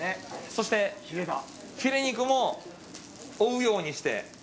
そしてフィレ肉も追うようにして。